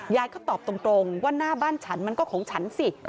ยายก็ตอบตรงว่าหน้าบ้านฉันมันก็ของฉันสิ